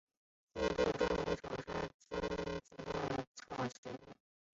印度薹草为莎草科薹草属的植物。